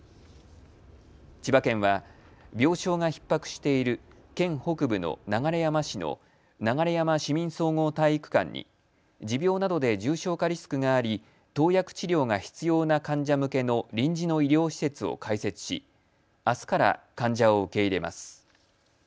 千葉県は、病床がひっ迫している県北部の流山市の流山市民総合体育館に持病などで重症化リスクがあり投薬治療が必要な患者向けの臨時の医療施設を開設しあすから患者を受け入れます。